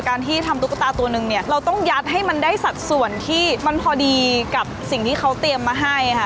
ที่ทำตุ๊กตาตัวนึงเนี่ยเราต้องยัดให้มันได้สัดส่วนที่มันพอดีกับสิ่งที่เขาเตรียมมาให้ค่ะ